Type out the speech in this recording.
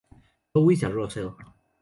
Louis a Russell.